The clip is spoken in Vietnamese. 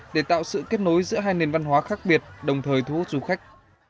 để tạo sự kết nối giữa hai nền văn hóa khác biệt đồng thời thu hút du khách